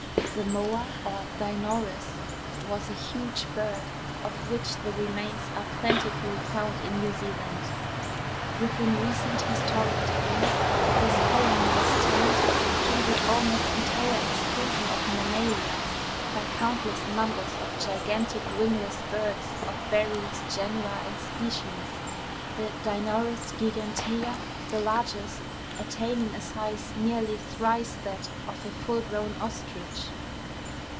The moa or dinornis was a huge bird, of which the remains are plentifully found in New Zealand. Within recent historic times, this colony was tenanted, to the almost entire exclusion of mammalia, by countless numbers of gigantic wingless birds of various genera and species, the Dinornis gigantea, the largest, attaining a size nearly thrice that of a full grown ostrich.